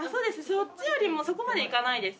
そっちよりもそこまで行かないです。